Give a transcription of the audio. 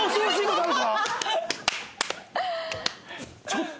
ちょっと。